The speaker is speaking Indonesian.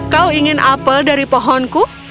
kau ingin apel dari pohonku